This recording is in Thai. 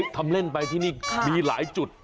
ทำเล่นไปที่นี่มีหลายจุด